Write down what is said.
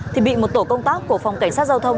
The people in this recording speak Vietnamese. thì bị một tổ công tác của phòng cảnh sát giao thông